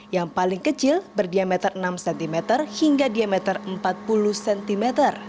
yang paling kecil berdiameter enam cm hingga diameter empat puluh cm